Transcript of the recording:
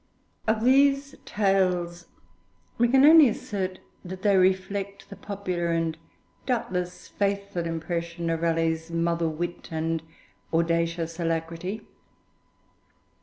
Of these tales we can only assert that they reflect the popular and doubtless faithful impression of Raleigh's mother wit and audacious alacrity.